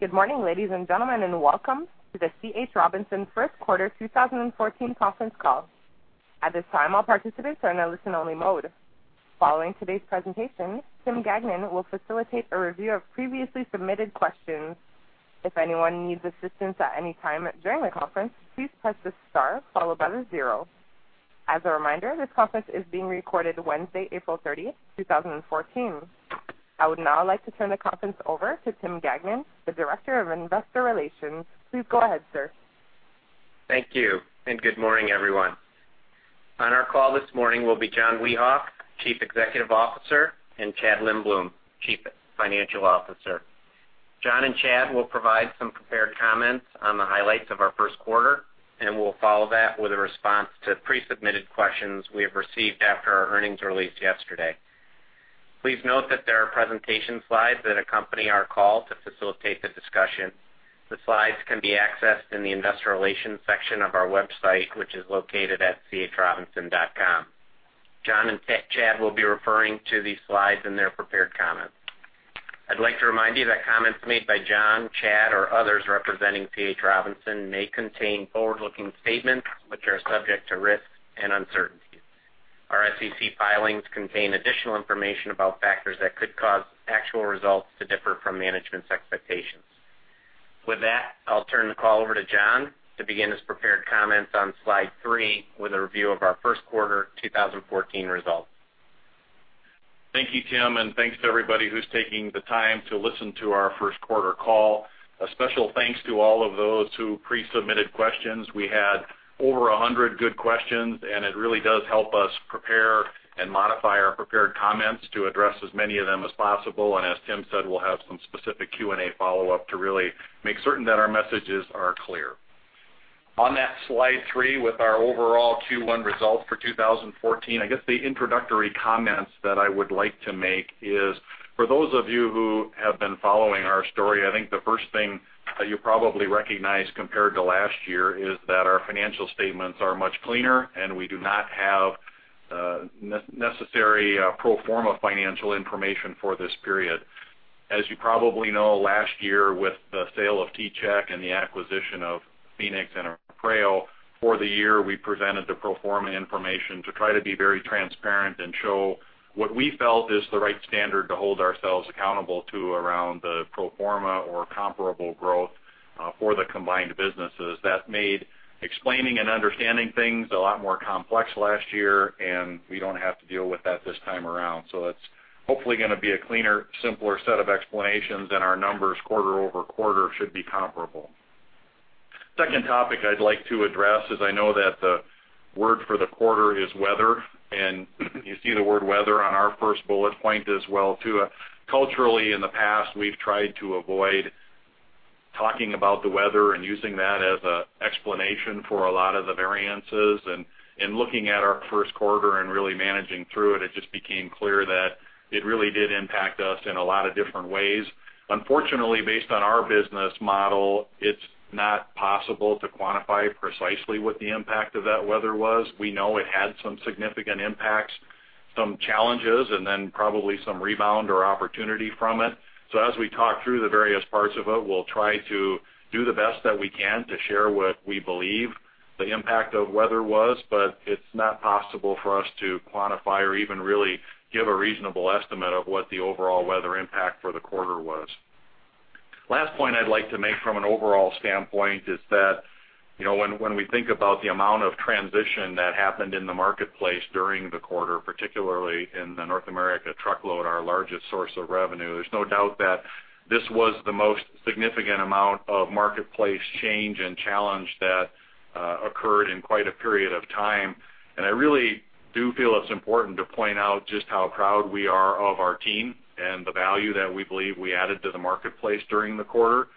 Good morning, ladies and gentlemen, welcome to the C. H. Robinson first quarter 2014 conference call. At this time, all participants are in a listen-only mode. Following today's presentation, Tim Gagnon will facilitate a review of previously submitted questions. If anyone needs assistance at any time during the conference, please press the star followed by the zero. As a reminder, this conference is being recorded Wednesday, April 30, 2014. I would now like to turn the conference over to Tim Gagnon, the Director of Investor Relations. Please go ahead, sir. Thank you. Good morning, everyone. On our call this morning will be John Wiehoff, Chief Executive Officer, and Chad Lindbloom, Chief Financial Officer. John and Chad will provide some prepared comments on the highlights of our first quarter. We'll follow that with a response to pre-submitted questions we have received after our earnings release yesterday. Please note that there are presentation slides that accompany our call to facilitate the discussion. The slides can be accessed in the Investor Relations section of our website, which is located at chrobinson.com. John and Chad will be referring to these slides in their prepared comments. I'd like to remind you that comments made by John, Chad, or others representing C. H. Robinson may contain forward-looking statements, which are subject to risks and uncertainties. Our SEC filings contain additional information about factors that could cause actual results to differ from management's expectations. With that, I'll turn the call over to John to begin his prepared comments on Slide 3 with a review of our first quarter 2014 results. Thank you, Tim. Thanks to everybody who's taking the time to listen to our first quarter call. A special thanks to all of those who pre-submitted questions. We had over 100 good questions. It really does help us prepare and modify our prepared comments to address as many of them as possible. As Tim said, we'll have some specific Q&A follow-up to really make certain that our messages are clear. On that Slide 3 with our overall Q1 results for 2014, I guess the introductory comments that I would like to make is, for those of you who have been following our story, I think the first thing that you probably recognize compared to last year is that our financial statements are much cleaner. We do not have necessary pro forma financial information for this period. As you probably know, last year with the sale of T-Chek and the acquisition of Phoenix and Apreo, for the year, we presented the pro forma information to try to be very transparent and show what we felt is the right standard to hold ourselves accountable to around the pro forma or comparable growth for the combined businesses. That made explaining and understanding things a lot more complex last year, and we don't have to deal with that this time around. That's hopefully going to be a cleaner, simpler set of explanations, and our numbers quarter-over-quarter should be comparable. Second topic I'd like to address is I know that the word for the quarter is weather, and you see the word weather on our first bullet point as well, too. Culturally, in the past, we've tried to avoid talking about the weather and using that as an explanation for a lot of the variances. In looking at our first quarter and really managing through it just became clear that it really did impact us in a lot of different ways. Unfortunately, based on our business model, it's not possible to quantify precisely what the impact of that weather was. We know it had some significant impacts, some challenges, and then probably some rebound or opportunity from it. As we talk through the various parts of it, we'll try to do the best that we can to share what we believe the impact of weather was, but it's not possible for us to quantify or even really give a reasonable estimate of what the overall weather impact for the quarter was. Last point I'd like to make from an overall standpoint is that, when we think about the amount of transition that happened in the marketplace during the quarter, particularly in the North America truckload, our largest source of revenue, there's no doubt that this was the most significant amount of marketplace change and challenge that occurred in quite a period of time. I really do feel it's important to point out just how proud we are of our team and the value that we believe we added to the marketplace during the quarter.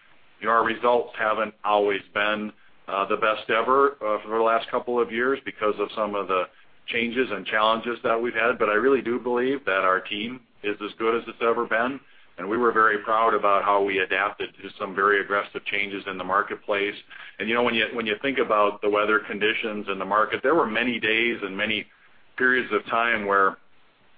Our results haven't always been the best ever for the last couple of years because of some of the changes and challenges that we've had. I really do believe that our team is as good as it's ever been, and we were very proud about how we adapted to some very aggressive changes in the marketplace. When you think about the weather conditions and the market, there were many days and many periods of time where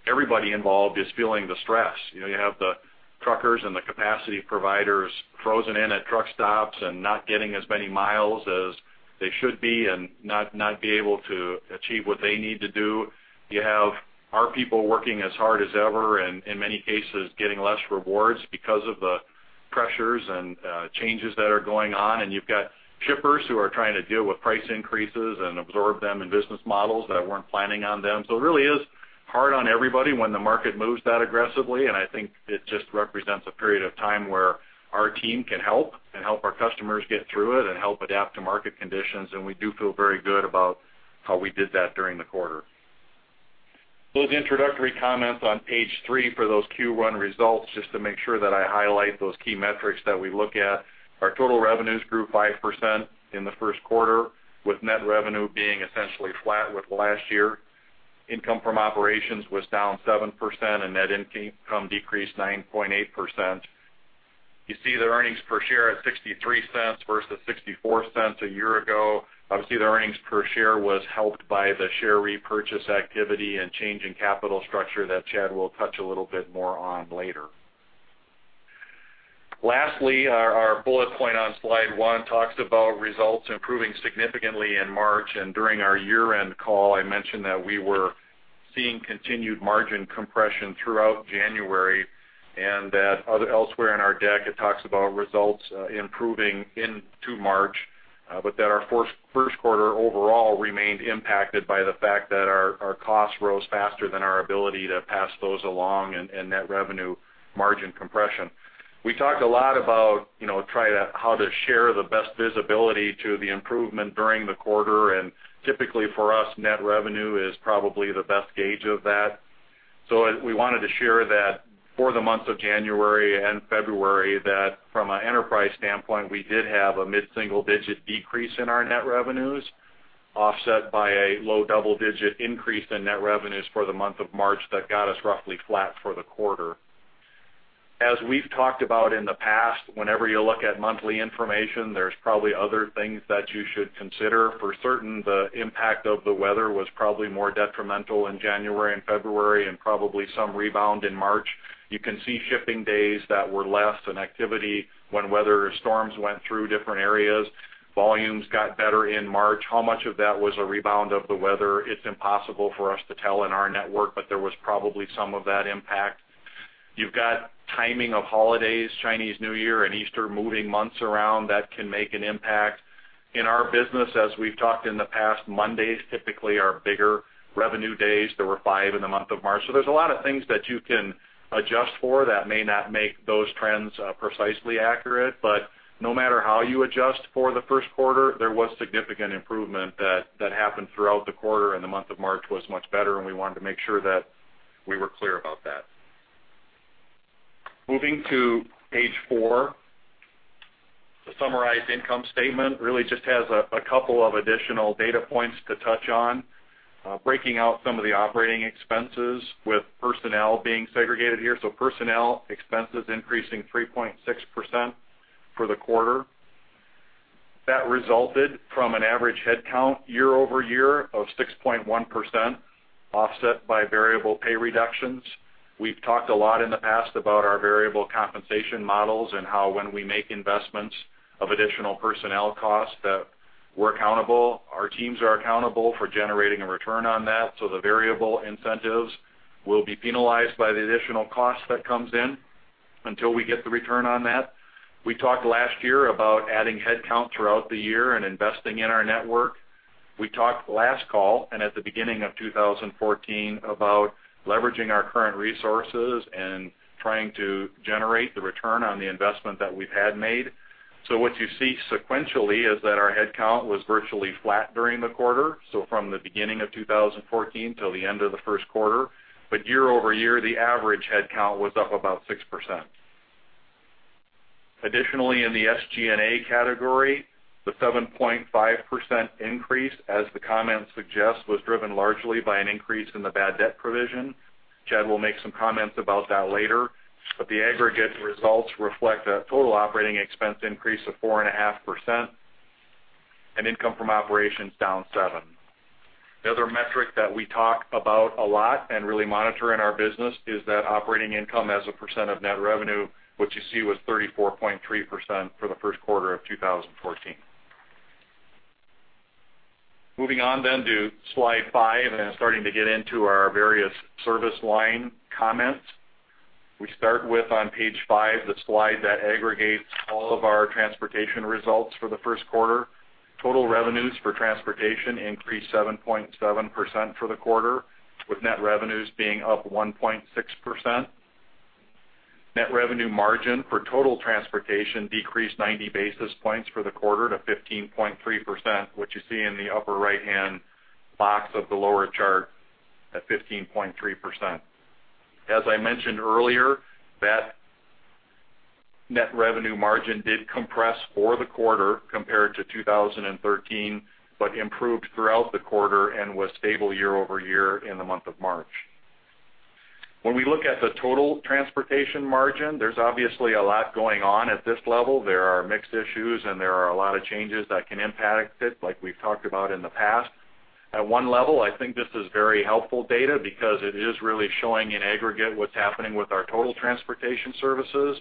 everybody involved is feeling the stress. You have the truckers and the capacity providers frozen in at truck stops and not getting as many miles as they should be and not be able to achieve what they need to do. You have our people working as hard as ever and in many cases getting less rewards because of the pressures and changes that are going on. You've got shippers who are trying to deal with price increases and absorb them in business models that weren't planning on them. It really is hard on everybody when the market moves that aggressively, and I think it just represents a period of time where our team can help and help our customers get through it and help adapt to market conditions. We do feel very good about how we did that during the quarter. Those introductory comments on Page three for those Q1 results, just to make sure that I highlight those key metrics that we look at. Our total revenues grew 5% in the first quarter, with net revenue being essentially flat with last year. Income from operations was down 7%, and net income decreased 9.8%. You see the earnings per share at $0.63 versus $0.64 a year ago. Obviously, the earnings per share was helped by the share repurchase activity and change in capital structure that Chad will touch a little bit more on later. Lastly, our bullet point on Slide one talks about results improving significantly in March. During our year-end call, I mentioned that we were seeing continued margin compression throughout January, and that elsewhere in our deck, it talks about results improving into March, but that our first quarter overall remained impacted by the fact that our costs rose faster than our ability to pass those along in net revenue margin compression. We talked a lot about how to share the best visibility to the improvement during the quarter, and typically for us, net revenue is probably the best gauge of that. We wanted to share that for the months of January and February, that from an enterprise standpoint, we did have a mid-single-digit decrease in our net revenues, offset by a low double-digit increase in net revenues for the month of March that got us roughly flat for the quarter. As we've talked about in the past, whenever you look at monthly information, there's probably other things that you should consider. For certain, the impact of the weather was probably more detrimental in January and February and probably some rebound in March. You can see shipping days that were less in activity when weather storms went through different areas. Volumes got better in March. How much of that was a rebound of the weather? It's impossible for us to tell in our network, but there was probably some of that impact. You've got timing of holidays, Chinese New Year and Easter moving months around, that can make an impact. In our business, as we've talked in the past, Mondays typically are bigger revenue days. There were five in the month of March. There's a lot of things that you can adjust for that may not make those trends precisely accurate. No matter how you adjust for the first quarter, there was significant improvement that happened throughout the quarter, and the month of March was much better, and we wanted to make sure that we were clear about that. Moving to Page four. The summarized income statement really just has a couple of additional data points to touch on, breaking out some of the operating expenses with personnel being segregated here. Personnel expenses increasing 3.6% for the quarter. That resulted from an average headcount year-over-year of 6.1%, offset by variable pay reductions. We've talked a lot in the past about our variable compensation models and how when we make investments of additional personnel costs, that we're accountable. Our teams are accountable for generating a return on that, so the variable incentives will be penalized by the additional cost that comes in until we get the return on that. We talked last year about adding headcount throughout the year and investing in our network. We talked last call and at the beginning of 2014 about leveraging our current resources and trying to generate the return on the investment that we've had made. What you see sequentially is that our headcount was virtually flat during the quarter, from the beginning of 2014 to the end of the first quarter. Year-over-year, the average headcount was up about 6%. Additionally, in the SG&A category, the 7.5% increase, as the comment suggests, was driven largely by an increase in the bad debt provision. Chad will make some comments about that later. The aggregate results reflect a total operating expense increase of 4.5% and income from operations down 7%. The other metric that we talk about a lot and really monitor in our business is that operating income as a percent of net revenue, which you see was 34.3% for the first quarter of 2014. To Slide 5 and starting to get into our various service line comments. We start with, on Page 5, the slide that aggregates all of our transportation results for the first quarter. Total revenues for transportation increased 7.7% for the quarter, with net revenues being up 1.6%. Net revenue margin for total transportation decreased 90 basis points for the quarter to 15.3%, which you see in the upper right-hand box of the lower chart at 15.3%. As I mentioned earlier, that net revenue margin did compress for the quarter compared to 2013 but improved throughout the quarter and was stable year-over-year in the month of March. We look at the total transportation margin, there's obviously a lot going on at this level. There are mixed issues, and there are a lot of changes that can impact it, like we've talked about in the past. At one level, I think this is very helpful data because it is really showing in aggregate what's happening with our total transportation services,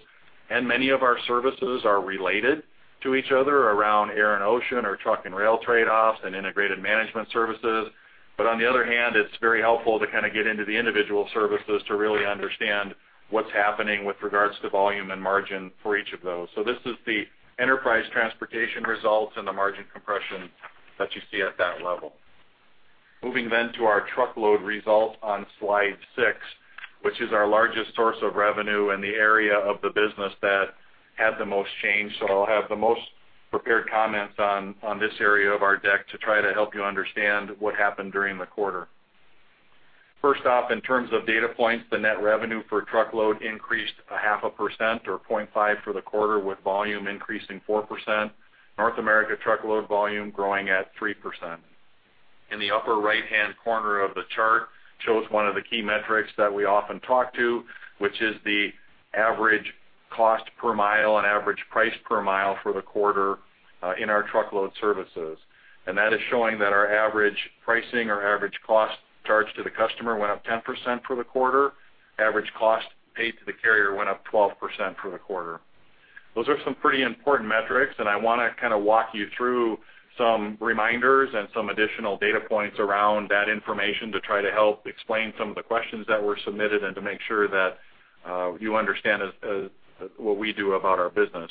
and many of our services are related to each other around air and ocean or truck and rail trade-offs and integrated management services. On the other hand, it's very helpful to get into the individual services to really understand what's happening with regards to volume and margin for each of those. This is the enterprise transportation results and the margin compression that you see at that level. To our truckload results on Slide 6, which is our largest source of revenue and the area of the business that had the most change. I'll have the most prepared comments on this area of our deck to try to help you understand what happened during the quarter. First off, in terms of data points, the net revenue for truckload increased a half a percent or 0.5% for the quarter, with volume increasing 4%. North America truckload volume growing at 3%. In the upper right-hand corner of the chart shows one of the key metrics that we often talk to, which is the average cost per mile and average price per mile for the quarter in our truckload services. That is showing that our average pricing or average cost charged to the customer went up 10% for the quarter. Average cost paid to the carrier went up 12% for the quarter. Those are some pretty important metrics, and I want to walk you through some reminders and some additional data points around that information to try to help explain some of the questions that were submitted and to make sure that you understand what we do about our business.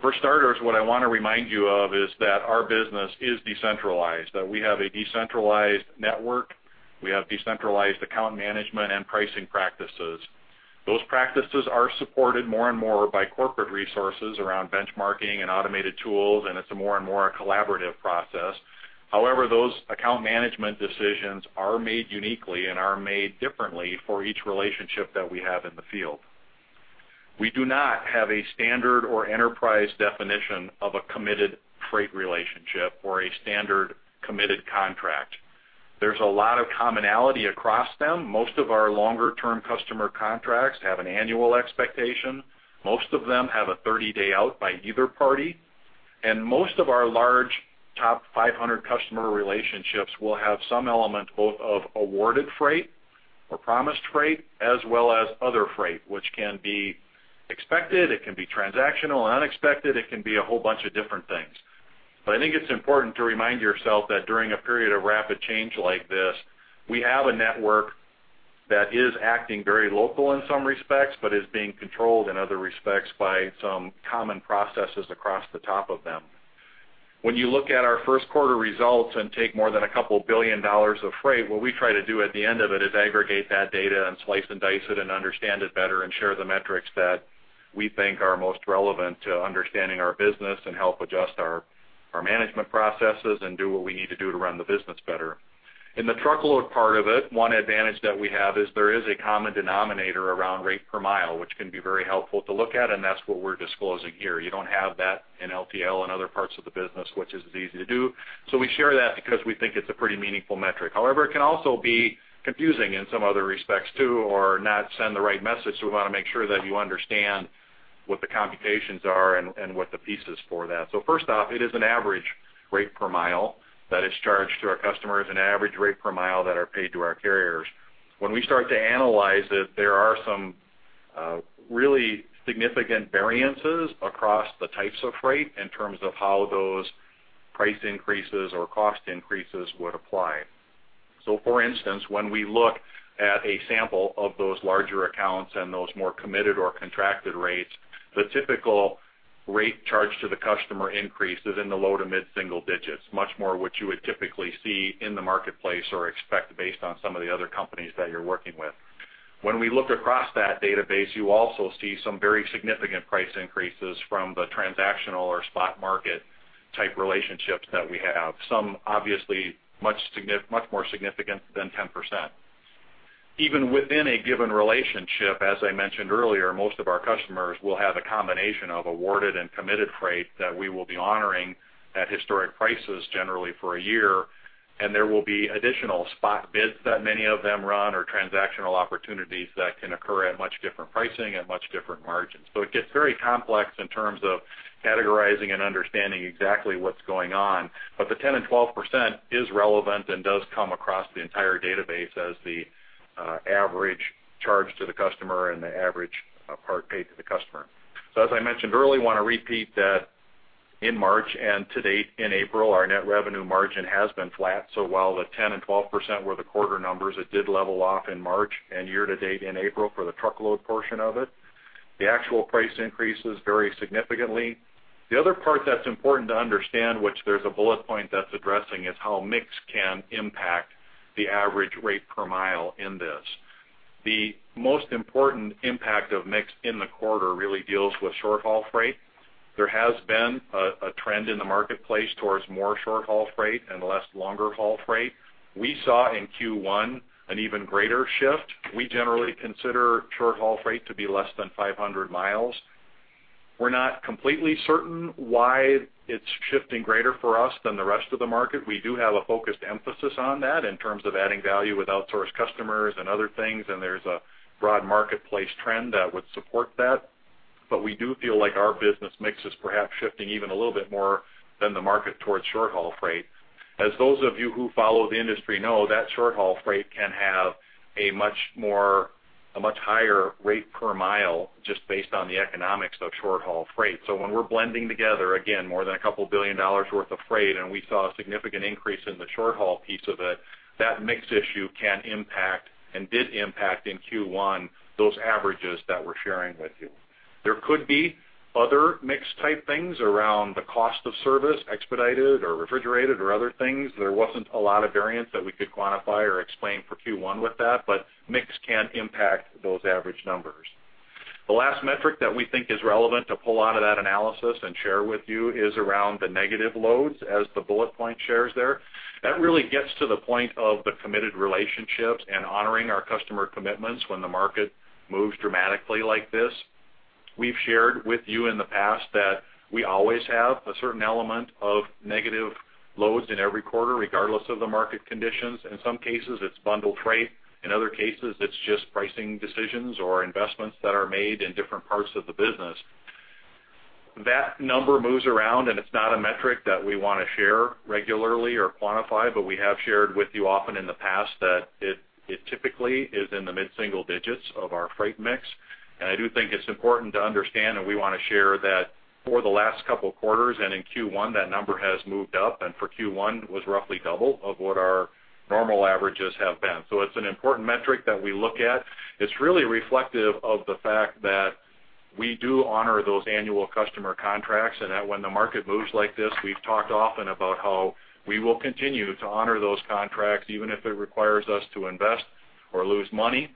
For starters, what I want to remind you of is that our business is decentralized, that we have a decentralized network. We have decentralized account management and pricing practices. Those practices are supported more and more by corporate resources around benchmarking and automated tools, and it's a more and more collaborative process. However, those account management decisions are made uniquely and are made differently for each relationship that we have in the field. We do not have a standard or enterprise definition of a committed freight relationship or a standard committed contract. There's a lot of commonality across them. Most of our longer-term customer contracts have an annual expectation. Most of them have a 30-day out by either party. Most of our large top 500 customer relationships will have some element both of awarded freight or promised freight, as well as other freight, which can be expected, it can be transactional and unexpected. It can be a whole bunch of different things. I think it's important to remind yourself that during a period of rapid change like this, we have a network that is acting very local in some respects but is being controlled in other respects by some common processes across the top of them. When you look at our first quarter results and take more than a couple billion dollars of freight, what we try to do at the end of it is aggregate that data and slice and dice it and understand it better and share the metrics that we think are most relevant to understanding our business and help adjust our management processes and do what we need to do to run the business better. In the truckload part of it, one advantage that we have is there is a common denominator around rate per mile, which can be very helpful to look at, and that's what we're disclosing here. You don't have that in LTL and other parts of the business, which is as easy to do. We share that because we think it's a pretty meaningful metric. However, it can also be confusing in some other respects, too, or not send the right message. We want to make sure that you understand what the computations are and what the piece is for that. First off, it is an average rate per mile that is charged to our customers and average rate per mile that are paid to our carriers. When we start to analyze it, there are some really significant variances across the types of freight in terms of how those price increases or cost increases would apply. For instance, when we look at a sample of those larger accounts and those more committed or contracted rates, the typical rate charge to the customer increase is in the low to mid-single digits, much more what you would typically see in the marketplace or expect based on some of the other companies that you're working with. When we look across that database, you also see some very significant price increases from the transactional or spot market type relationships that we have. Some obviously much more significant than 10%. Even within a given relationship, as I mentioned earlier, most of our customers will have a combination of awarded and committed freight that we will be honoring at historic prices generally for a year, and there will be additional spot bids that many of them run or transactional opportunities that can occur at much different pricing and much different margins. It gets very complex in terms of categorizing and understanding exactly what's going on. The 10% and 12% is relevant and does come across the entire database as the average charge to the customer and the average part paid to the customer. As I mentioned earlier, want to repeat that in March and to date in April, our net revenue margin has been flat. While the 10% and 12% were the quarter numbers, it did level off in March and year to date in April for the truckload portion of it. The actual price increases vary significantly. The other part that's important to understand, which there's a bullet point that's addressing, is how mix can impact the average rate per mile in this. The most important impact of mix in the quarter really deals with short-haul freight. There has been a trend in the marketplace towards more short-haul freight and less longer-haul freight. We saw in Q1 an even greater shift. We generally consider short-haul freight to be less than 500 miles. We're not completely certain why it's shifting greater for us than the rest of the market. We do have a focused emphasis on that in terms of adding value with outsourced customers and other things, and there's a broad marketplace trend that would support that. We do feel like our business mix is perhaps shifting even a little bit more than the market towards short-haul freight. As those of you who follow the industry know, that short-haul freight can have a much higher rate per mile just based on the economics of short-haul freight. When we're blending together, again, more than a couple billion dollars worth of freight, and we saw a significant increase in the short-haul piece of it, that mix issue can impact and did impact in Q1 those averages that we're sharing with you. There could be other mix type things around the cost of service, expedited or refrigerated or other things. There wasn't a lot of variance that we could quantify or explain for Q1 with that, but mix can impact those average numbers. The last metric that we think is relevant to pull out of that analysis and share with you is around the negative loads, as the bullet point shares there. That really gets to the point of the committed relationships and honoring our customer commitments when the market moves dramatically like this. We've shared with you in the past that we always have a certain element of negative loads in every quarter, regardless of the market conditions. In some cases, it's bundled freight. In other cases, it's just pricing decisions or investments that are made in different parts of the business. That number moves around, it's not a metric that we want to share regularly or quantify, but we have shared with you often in the past that it typically is in the mid-single digits of our freight mix. I do think it's important to understand, and we want to share that for the last couple of quarters and in Q1, that number has moved up, and for Q1 was roughly double of what our normal averages have been. It's an important metric that we look at. It's really reflective of the fact that we do honor those annual customer contracts, and that when the market moves like this, we've talked often about how we will continue to honor those contracts, even if it requires us to invest or lose money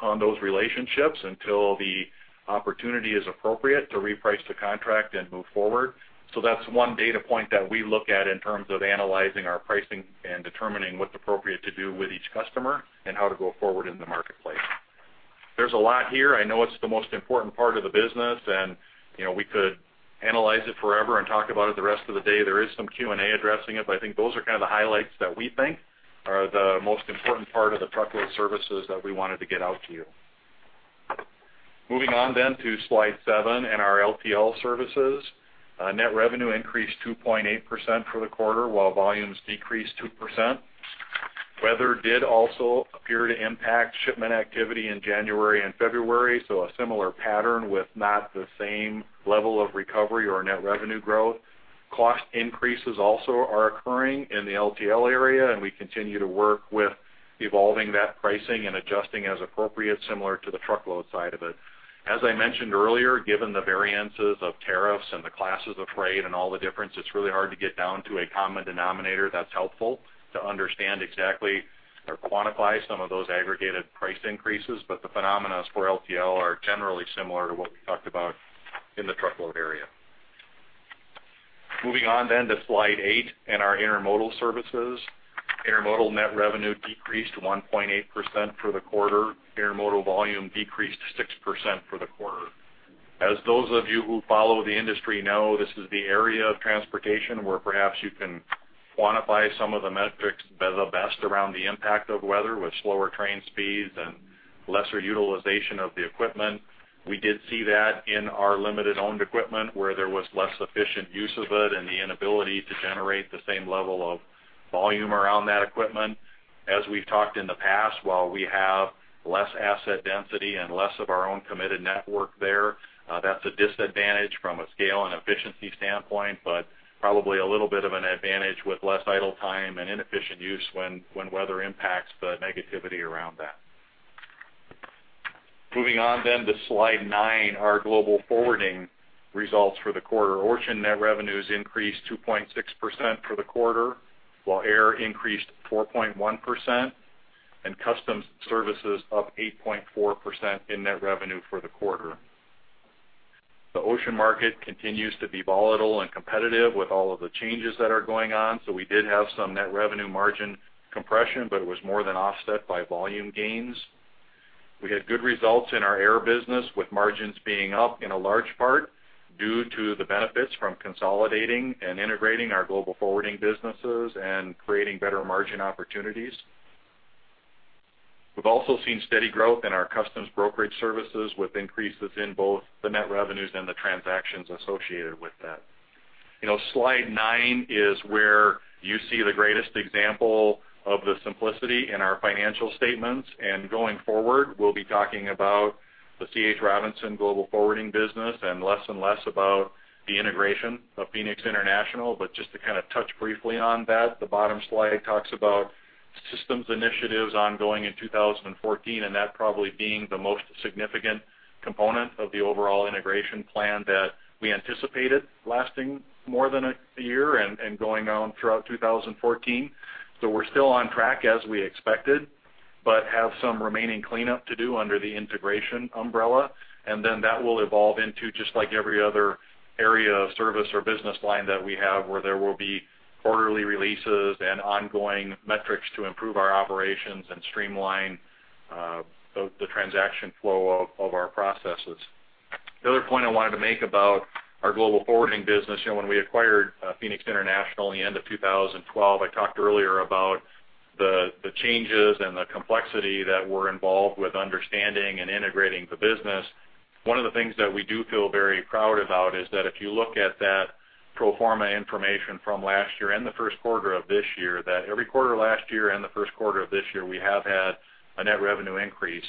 on those relationships until the opportunity is appropriate to reprice the contract and move forward. That's one data point that we look at in terms of analyzing our pricing and determining what's appropriate to do with each customer and how to go forward in the marketplace. There's a lot here. I know it's the most important part of the business, and we could analyze it forever and talk about it the rest of the day. There is some Q&A addressing it, but I think those are kind of the highlights that we think are the most important part of the truckload services that we wanted to get out to you. Moving on to Slide seven and our LTL services. Net revenue increased 2.8% for the quarter, while volumes decreased 2%. Weather did also appear to impact shipment activity in January and February, a similar pattern with not the same level of recovery or net revenue growth. Cost increases also are occurring in the LTL area, and we continue to work with evolving that pricing and adjusting as appropriate, similar to the truckload side of it. As I mentioned earlier, given the variances of tariffs and the classes of freight and all the difference, it's really hard to get down to a common denominator that's helpful to understand exactly or quantify some of those aggregated price increases. The phenomena for LTL are generally similar to what we talked about in the truckload area. Moving on to Slide eight and our intermodal services. Intermodal net revenue decreased 1.8% for the quarter. Intermodal volume decreased 6% for the quarter. As those of you who follow the industry know, this is the area of transportation where perhaps you can quantify some of the metrics the best around the impact of weather, with slower train speeds and lesser utilization of the equipment. We did see that in our limited owned equipment where there was less efficient use of it and the inability to generate the same level of volume around that equipment. As we've talked in the past, while we have less asset density and less of our own committed network there, that's a disadvantage from a scale and efficiency standpoint, but probably a little bit of an advantage with less idle time and inefficient use when weather impacts the negativity around that. Moving on to Slide 9, our global forwarding results for the quarter. Ocean net revenues increased 2.6% for the quarter, while air increased 4.1%, and customs services up 8.4% in net revenue for the quarter. The ocean market continues to be volatile and competitive with all of the changes that are going on, we did have some net revenue margin compression, it was more than offset by volume gains. We had good results in our air business, with margins being up in a large part due to the benefits from consolidating and integrating our global forwarding businesses and creating better margin opportunities. We've also seen steady growth in our customs brokerage services, with increases in both the net revenues and the transactions associated with that. Slide 9 is where you see the greatest example of the simplicity in our financial statements. Going forward, we'll be talking about the C. H. Robinson global forwarding business and less and less about the integration of Phoenix International. Just to kind of touch briefly on that, the bottom slide talks about systems initiatives ongoing in 2014, and that probably being the most significant component of the overall integration plan that we anticipated lasting more than a year and going on throughout 2014. We're still on track as we expected, have some remaining cleanup to do under the integration umbrella. That will evolve into just like every other area of service or business line that we have, where there will be quarterly releases and ongoing metrics to improve our operations and streamline the transaction flow of our processes. The other point I wanted to make about our global forwarding business, when we acquired Phoenix International in the end of 2012, I talked earlier about the changes and the complexity that were involved with understanding and integrating the business. One of the things that we do feel very proud about is that if you look at that pro forma information from last year and the first quarter of this year, that every quarter last year and the first quarter of this year, we have had a net revenue increase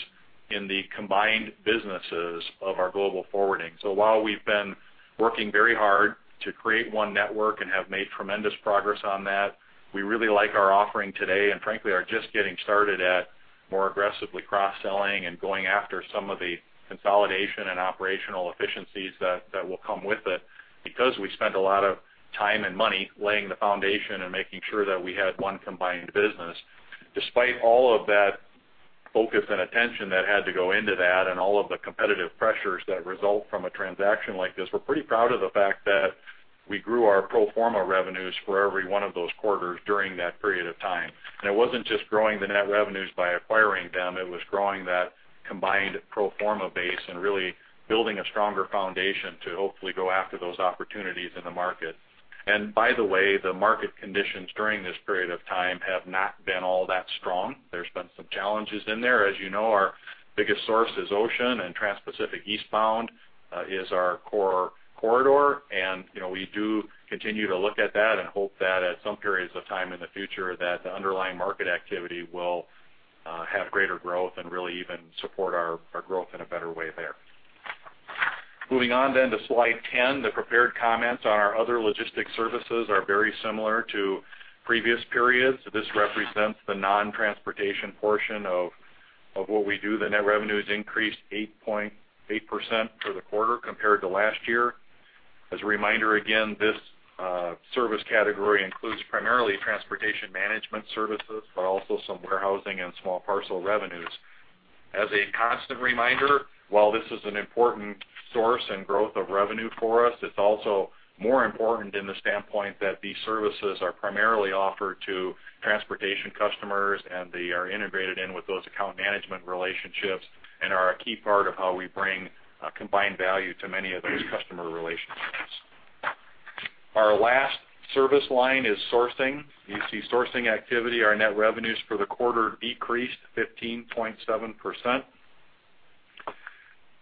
in the combined businesses of our global forwarding. While we've been working very hard to create one network and have made tremendous progress on that, we really like our offering today and frankly are just getting started at more aggressively cross-selling and going after some of the consolidation and operational efficiencies that will come with it, because we spent a lot of time and money laying the foundation and making sure that we had one combined business. Despite all of that focus and attention that had to go into that and all of the competitive pressures that result from a transaction like this, we're pretty proud of the fact that we grew our pro forma revenues for every one of those quarters during that period of time. It wasn't just growing the net revenues by acquiring them. It was growing that combined pro forma base and really building a stronger foundation to hopefully go after those opportunities in the market. By the way, the market conditions during this period of time have not been all that strong. There's been some challenges in there. As you know, our biggest source is ocean, and Trans-Pacific eastbound is our core corridor. We do continue to look at that and hope that at some periods of time in the future, that the underlying market activity will have greater growth and really even support our growth in a better way there. Moving on then to slide 10, the prepared comments on our other logistics services are very similar to previous periods. This represents the non-transportation portion of what we do. The net revenues increased 8.8% for the quarter compared to last year. As a reminder again, this service category includes primarily transportation management services, but also some warehousing and small parcel revenues. As a constant reminder, while this is an important source and growth of revenue for us, it's also more important in the standpoint that these services are primarily offered to transportation customers, and they are integrated in with those account management relationships and are a key part of how we bring combined value to many of those customer relationships. Our last service line is sourcing. You see sourcing activity. Our net revenues for the quarter decreased 15.7%.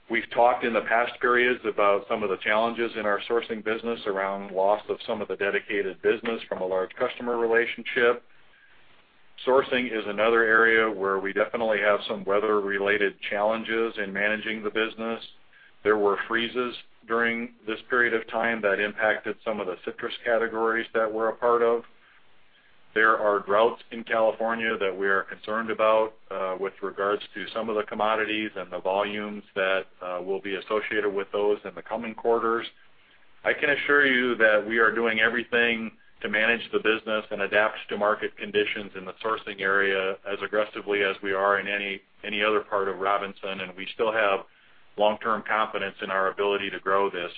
We've talked in the past periods about some of the challenges in our sourcing business around loss of some of the dedicated business from a large customer relationship. Sourcing is another area where we definitely have some weather-related challenges in managing the business. There were freezes during this period of time that impacted some of the citrus categories that we're a part of. There are droughts in California that we are concerned about with regards to some of the commodities and the volumes that will be associated with those in the coming quarters. I can assure you that we are doing everything to manage the business and adapt to market conditions in the sourcing area as aggressively as we are in any other part of Robinson, and we still have long-term confidence in our ability to grow this.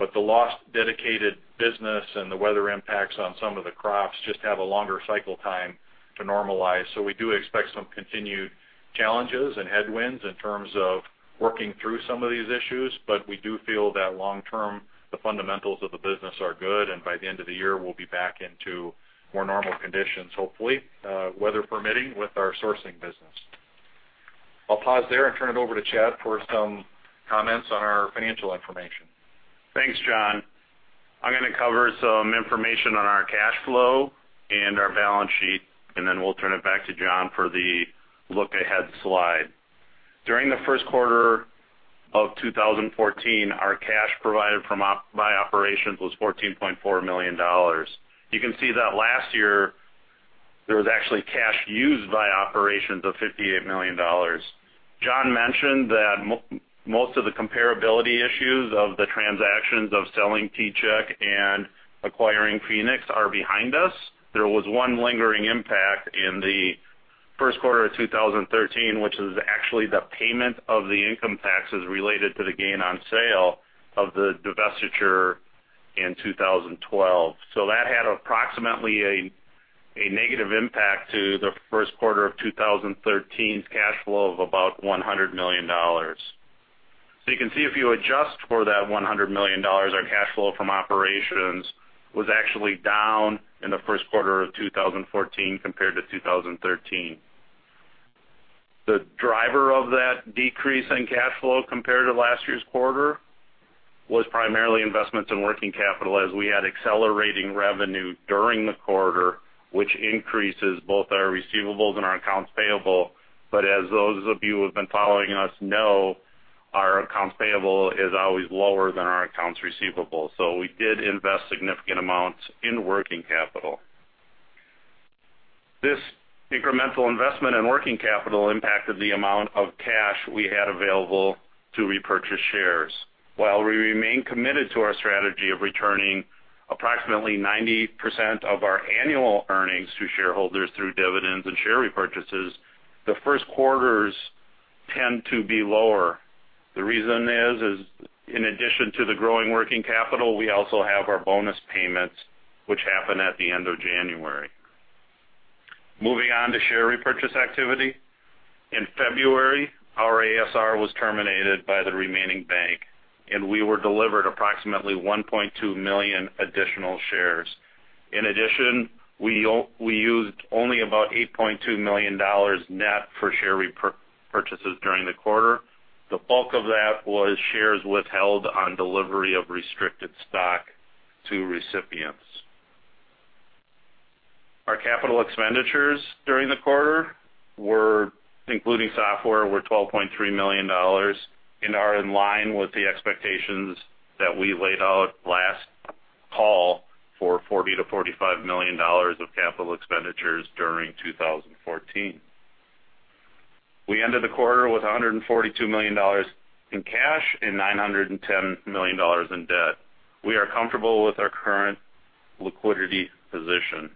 The lost dedicated business and the weather impacts on some of the crops just have a longer cycle time to normalize. We do expect some continued challenges and headwinds in terms of working through some of these issues, but we do feel that long term, the fundamentals of the business are good and by the end of the year, we'll be back into more normal conditions, hopefully, weather permitting, with our sourcing business. I'll pause there and turn it over to Chad for some comments on our financial information. Thanks, John. I'm going to cover some information on our cash flow and our balance sheet, and then we'll turn it back to John for the look-ahead slide. During the first quarter of 2014, our cash provided by operations was $14.4 million. You can see that last year there was actually cash used by operations of $58 million. John mentioned that most of the comparability issues of the transactions of selling T-Chek and acquiring Phoenix are behind us. There was one lingering impact in the first quarter of 2013, which is actually the payment of the income taxes related to the gain on sale of the divestiture in 2012. That had approximately a negative impact to the first quarter of 2013's cash flow of about $100 million. You can see if you adjust for that $100 million, our cash flow from operations was actually down in the first quarter of 2014 compared to 2013. The driver of that decrease in cash flow compared to last year's quarter was primarily investments in working capital as we had accelerating revenue during the quarter, which increases both our receivables and our accounts payable. As those of you who have been following us know, our accounts payable is always lower than our accounts receivable. We did invest significant amounts in working capital. This incremental investment in working capital impacted the amount of cash we had available to repurchase shares. While we remain committed to our strategy of returning approximately 90% of our annual earnings to shareholders through dividends and share repurchases, the first quarters tend to be lower. The reason is, in addition to the growing working capital, we also have our bonus payments, which happen at the end of January. Moving on to share repurchase activity. In February, our ASR was terminated by the remaining bank, and we were delivered approximately 1.2 million additional shares. In addition, we used only about $8.2 million net for share repurchases during the quarter. The bulk of that was shares withheld on delivery of restricted stock to recipients. Our capital expenditures during the quarter, including software, were $12.3 million and are in line with the expectations that we laid out last call for $40 million-$45 million of capital expenditures during 2014. We ended the quarter with $142 million in cash and $910 million in debt. We are comfortable with our current liquidity position.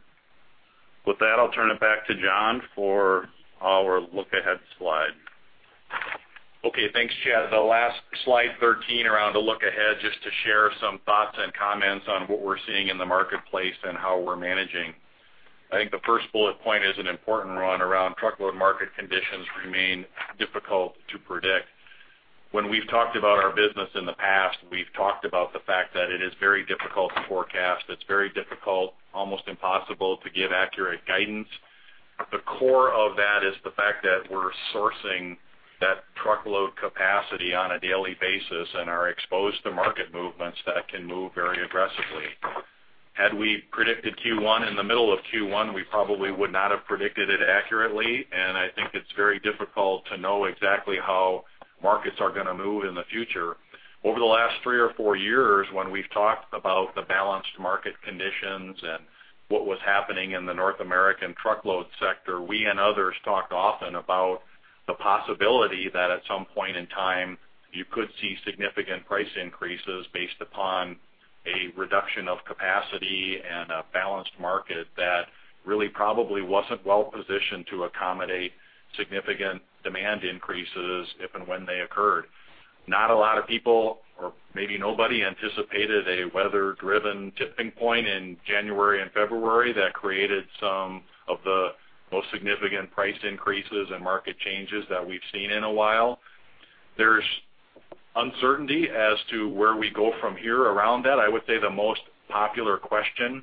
With that, I'll turn it back to John for our look-ahead slide. Okay, thanks, Chad. The last slide 13, around the look ahead, just to share some thoughts and comments on what we're seeing in the marketplace and how we're managing. I think the first bullet point is an important one around truckload market conditions remain difficult to predict. When we've talked about our business in the past, we've talked about the fact that it is very difficult to forecast. It's very difficult, almost impossible, to give accurate guidance. The core of that is the fact that we're sourcing that truckload capacity on a daily basis and are exposed to market movements that can move very aggressively. Had we predicted Q1 in the middle of Q1, we probably would not have predicted it accurately, and I think it's very difficult to know exactly how markets are going to move in the future. Over the last three or four years, when we've talked about the balanced market conditions and what was happening in the North American truckload sector, we and others talked often about the possibility that at some point in time, you could see significant price increases based upon a reduction of capacity and a balanced market that really probably wasn't well-positioned to accommodate significant demand increases if and when they occurred. Not a lot of people, or maybe nobody, anticipated a weather-driven tipping point in January and February that created some of the most significant price increases and market changes that we've seen in a while. There's uncertainty as to where we go from here around that. I would say the most popular question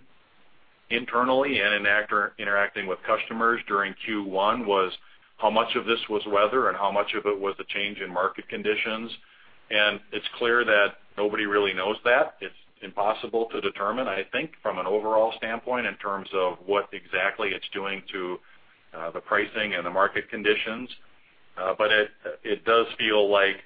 internally and interacting with customers during Q1 was how much of this was weather and how much of it was the change in market conditions. It's clear that nobody really knows that. It's impossible to determine, I think, from an overall standpoint, in terms of what exactly it's doing to the pricing and the market conditions. It does feel like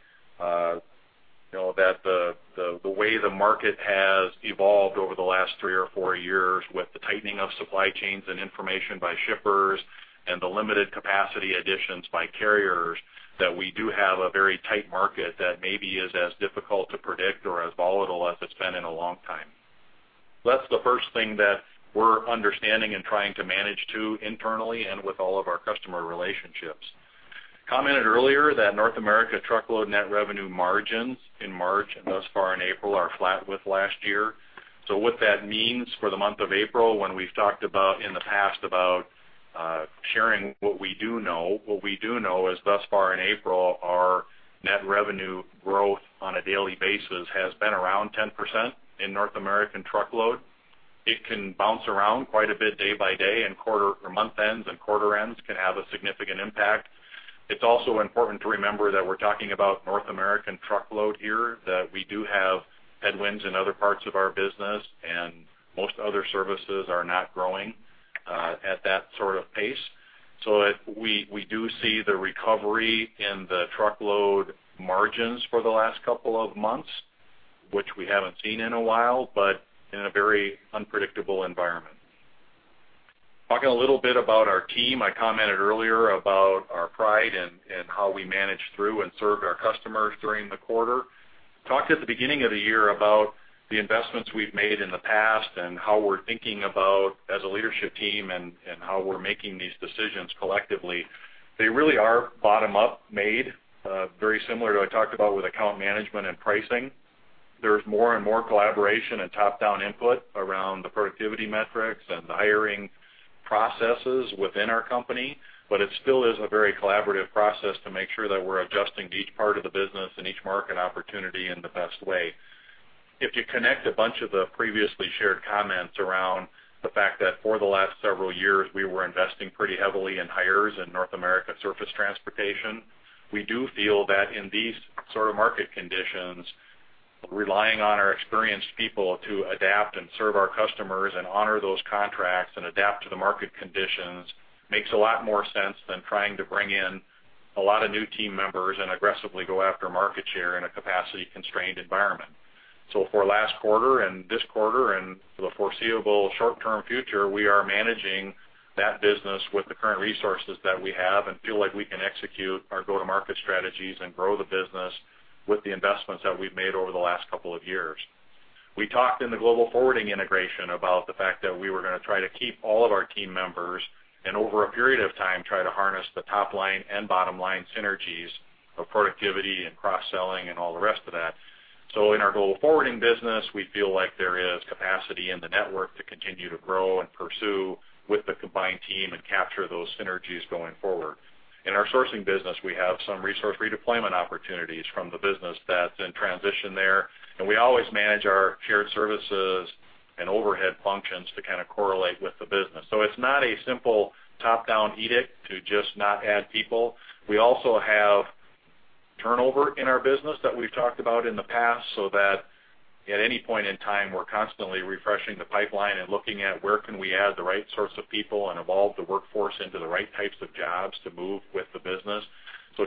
that the way the market has evolved over the last three or four years with the tightening of supply chains and information by shippers and the limited capacity additions by carriers, that we do have a very tight market that maybe is as difficult to predict or as volatile as it's been in a long time. That's the first thing that we're understanding and trying to manage too, internally and with all of our customer relationships. Commented earlier that North America truckload net revenue margins in March and thus far in April are flat with last year. What that means for the month of April, when we've talked about in the past about sharing what we do know, what we do know is thus far in April, our net revenue growth on a daily basis has been around 10% in North American truckload. It can bounce around quite a bit day by day and quarter or month ends and quarter ends can have a significant impact. It's also important to remember that we're talking about North American truckload here, that we do have headwinds in other parts of our business, and most other services are not growing at that sort of pace. We do see the recovery in the truckload margins for the last couple of months, which we haven't seen in a while, but in a very unpredictable environment. Talking a little bit about our team, I commented earlier about our pride and how we managed through and served our customers during the quarter. Talked at the beginning of the year about the investments we've made in the past and how we're thinking about as a leadership team and how we're making these decisions collectively. They really are bottom-up made, very similar to I talked about with account management and pricing. There's more and more collaboration and top-down input around the productivity metrics and the hiring processes within our company. It still is a very collaborative process to make sure that we're adjusting to each part of the business and each market opportunity in the best way. If you connect a bunch of the previously shared comments around the fact that for the last several years, we were investing pretty heavily in hires in North America surface transportation, we do feel that in these sort of market conditions, relying on our experienced people to adapt and serve our customers and honor those contracts and adapt to the market conditions makes a lot more sense than trying to bring in a lot of new team members and aggressively go after market share in a capacity-constrained environment. For last quarter and this quarter and for the foreseeable short-term future, we are managing that business with the current resources that we have and feel like we can execute our go-to-market strategies and grow the business with the investments that we've made over the last couple of years. We talked in the global forwarding integration about the fact that we were going to try to keep all of our team members, and over a period of time, try to harness the top-line and bottom-line synergies of productivity and cross-selling and all the rest of that. In our global forwarding business, we feel like there is capacity in the network to continue to grow and pursue with the combined team and capture those synergies going forward. In our sourcing business, we have some resource redeployment opportunities from the business that's in transition there, and we always manage our shared services and overhead functions to kind of correlate with the business. It's not a simple top-down edict to just not add people. We also have turnover in our business that we've talked about in the past, so that at any point in time, we're constantly refreshing the pipeline and looking at where can we add the right sorts of people and evolve the workforce into the right types of jobs to move with the business.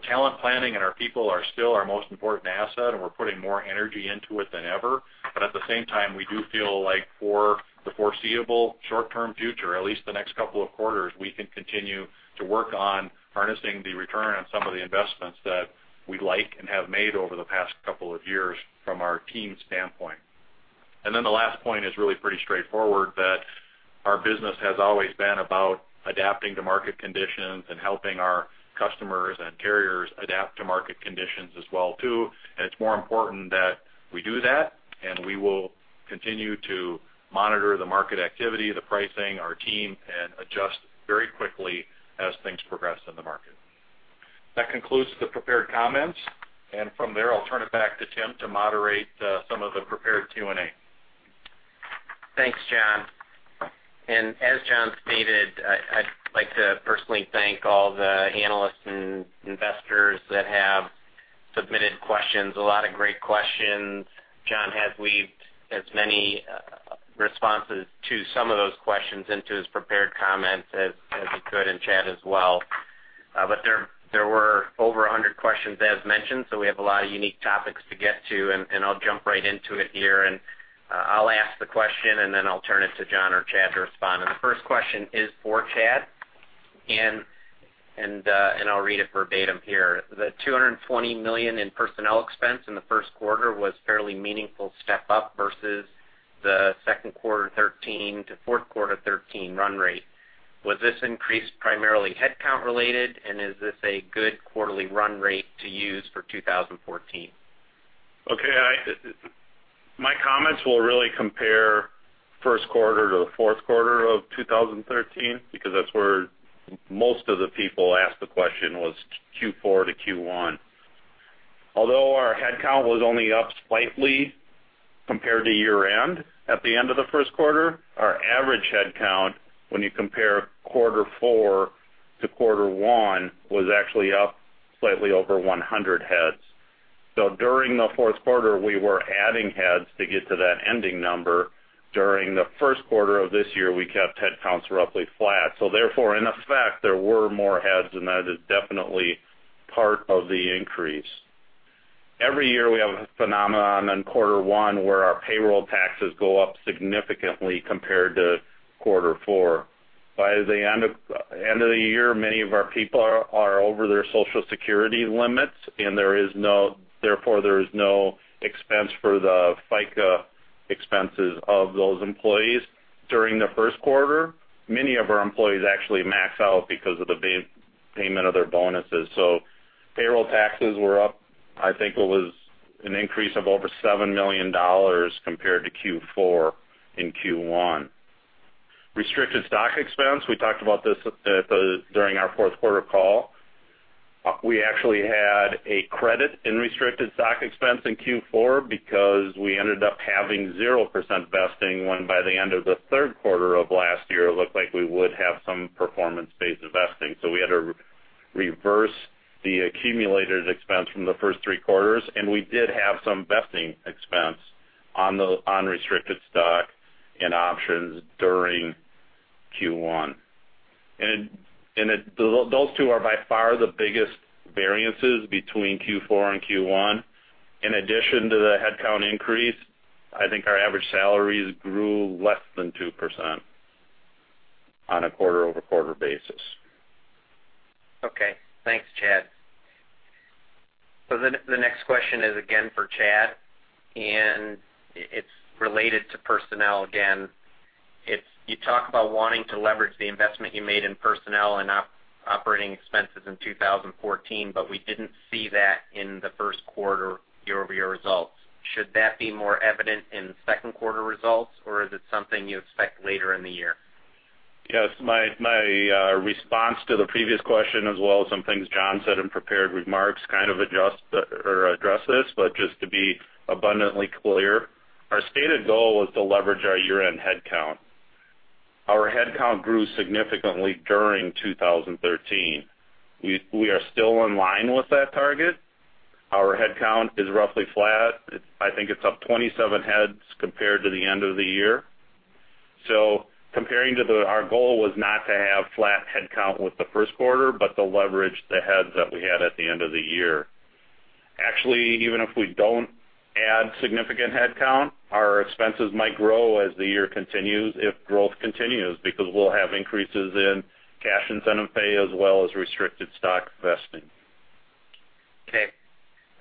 Talent planning and our people are still our most important asset, and we're putting more energy into it than ever. At the same time, we do feel like for the foreseeable short-term future, at least the next couple of quarters, we can continue to work on harnessing the return on some of the investments that we like and have made over the past couple of years from our team standpoint. The last point is really pretty straightforward, that our business has always been about adapting to market conditions and helping our customers and carriers adapt to market conditions as well too. It's more important that we do that, we will continue to monitor the market activity, the pricing, our team, and adjust very quickly as things progress in the market. That concludes the prepared comments, from there, I'll turn it back to Tim to moderate some of the prepared Q&A. Thanks, John. As John stated, I'd like to personally thank all the analysts and investors that have submitted questions. A lot of great questions. John has weaved as many responses to some of those questions into his prepared comments as he could, and Chad as well. There were over 100 questions, as mentioned, so we have a lot of unique topics to get to, I'll jump right into it here. I'll ask the question, then I'll turn it to John or Chad to respond. The first question is for Chad, I'll read it verbatim here. The $220 million in personnel expense in the first quarter was fairly meaningful step up versus the second quarter 2013 to fourth quarter 2013 run rate. Was this increase primarily headcount related, and is this a good quarterly run rate to use for 2014? Okay. My comments will really compare first quarter to the fourth quarter of 2013, because that's where most of the people asked the question, was Q4 to Q1. Although our headcount was only up slightly compared to year-end at the end of the first quarter, our average headcount, when you compare quarter four to quarter one, was actually up slightly over 100 heads. During the fourth quarter, we were adding heads to get to that ending number. During the first quarter of this year, we kept headcounts roughly flat. Therefore, in effect, there were more heads, and that is definitely part of the increase. Every year we have a phenomenon in quarter one where our payroll taxes go up significantly compared to quarter four. By the end of the year, many of our people are over their Social Security limits, and therefore there is no expense for the FICA expenses of those employees. During the first quarter, many of our employees actually max out because of the payment of their bonuses. Payroll taxes were up, I think it was an increase of over $7 million compared to Q4 in Q1. Restricted stock expense, we talked about this during our fourth quarter call. We actually had a credit in restricted stock expense in Q4 because we ended up having 0% vesting, when by the end of the third quarter of last year, it looked like we would have some performance-based vesting. We had to reverse the accumulated expense from the first three quarters, and we did have some vesting expense on restricted stock and options during Q1. Those two are by far the biggest variances between Q4 and Q1. In addition to the headcount increase, I think our average salaries grew less than 2% on a quarter-over-quarter basis. Okay, thanks, Chad. The next question is again for Chad, and it's related to personnel again. You talk about wanting to leverage the investment you made in personnel and operating expenses in 2014, but we didn't see that in the first quarter year-over-year results. Should that be more evident in the second quarter results, or is it something you expect later in the year? Yes. My response to the previous question, as well as some things John said in prepared remarks, kind of address this. Just to be abundantly clear, our stated goal was to leverage our year-end headcount. Our headcount grew significantly during 2013. We are still in line with that target. Our headcount is roughly flat. I think it's up 27 heads compared to the end of the year. Comparing to our goal was not to have flat headcount with the first quarter, but to leverage the heads that we had at the end of the year. Even if we don't add significant headcount, our expenses might grow as the year continues if growth continues, because we'll have increases in cash incentive pay as well as restricted stock vesting. Okay.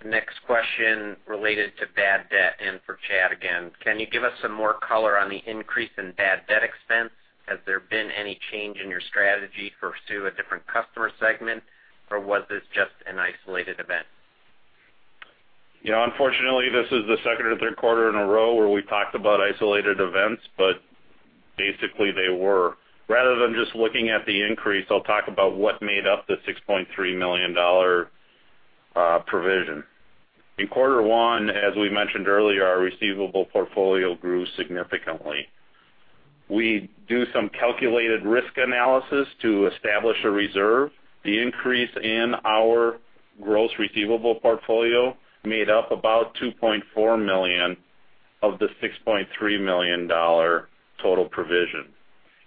Next question related to bad debt and for Chad again. Can you give us some more color on the increase in bad debt expense? Has there been any change in your strategy to pursue a different customer segment, or was this just an isolated event? Unfortunately, this is the second or third quarter in a row where we talked about isolated events, but basically they were. Rather than just looking at the increase, I'll talk about what made up the $6.3 million provision. In quarter one, as we mentioned earlier, our receivable portfolio grew significantly. We do some calculated risk analysis to establish a reserve. The increase in our gross receivable portfolio made up about $2.4 million of the $6.3 million total provision.